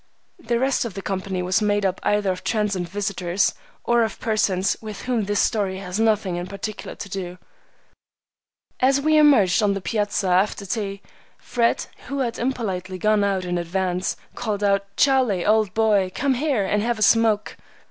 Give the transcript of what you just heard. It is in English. The rest of the company was made up either of transient visitors or of persons with whom this story has nothing in particular to do. As we emerged on the piazza after tea, Fred, who had impolitely gone out in advance, called out, "Charlie, old boy, come over here and have a smoke!"